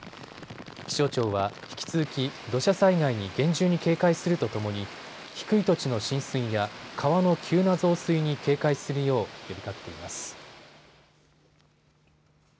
気象庁は引き続き土砂災害に厳重に警戒するとともに低い土地の浸水や川の急な増水に警戒するよう呼びかけています。